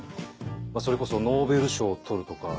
それこそノーベル賞を取るとか。